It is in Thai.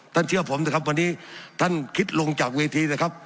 เชื่อผมนะครับวันนี้ท่านคิดลงจากเวทีนะครับ